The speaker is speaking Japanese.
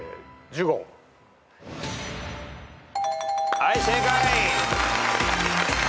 はい正解。